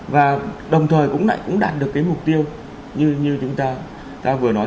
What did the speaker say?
và đồng thời cũng lại đạt được cái mục tiêu như chúng ta vừa nói